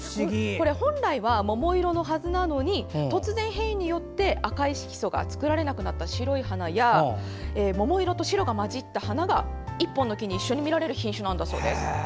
本来は桃色のはずなのに突然変異によって赤い色素が作られなくなった白い花や桃色と白色が混じった花が１本の木に一緒に見られる品種だそうです。